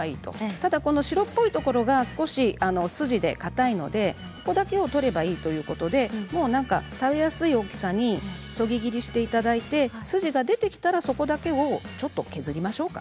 ただこの白っぽいところが筋でかたいので、ここだけを取ればいいということで食べやすい大きさにそぎ切りしていただいて筋が出てきたら、そこだけをちょっと削りましょうか。